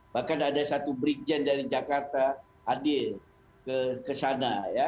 bahkan ada satu brigjen dari jakarta adil ke sana ya